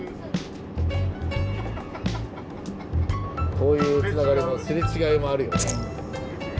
こういうつながりもすれ違いもあるよね。